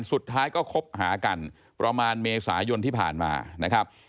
สุดท้ายก็คบหากันประมาณเมษายนที่ผ่านมานะครับ